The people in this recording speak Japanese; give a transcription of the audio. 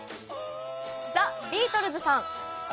ザ・ビートルズさん。